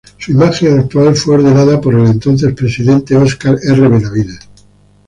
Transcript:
Su imagen actual fue ordenada por el entonces Presidente Óscar R. Benavides.